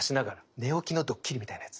寝起きのドッキリみたいなやつ。